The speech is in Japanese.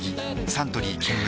サントリー「金麦」